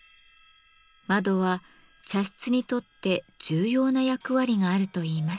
窓は茶室にとって重要な役割があるといいます。